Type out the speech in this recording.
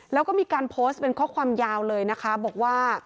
แล้วก็มีการโพสต์เป็นข้อความยาวเลยนะคะบอกว่า